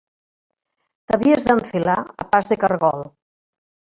T'havies d'enfilar a pas de cargol